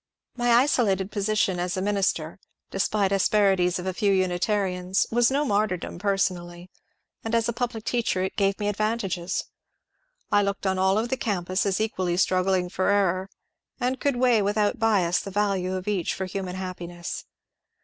My isolated position as a minister, de spite asperities of a few Unitarians, was no martyrdom per sonally, and as a public teacher it gave me advantages. I looked on all of the camps as equally struggling for error, and could weigh without bias the value of each for human happi ness.